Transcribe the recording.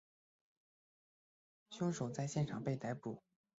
凶手在现场被逮捕。